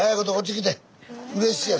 うれしいよ。